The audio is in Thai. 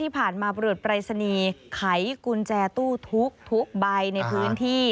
ผ่านมาบริษปรายศนีย์ไขกุญแจตู้ทุกใบในพื้นที่